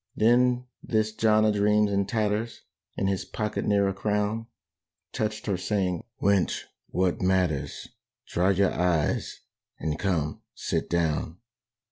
Then this John a dreams, in tatters, In his pocket ne'er a crown, Touched her saying, "Wench, what matters! Dry your eyes and, come, sit down.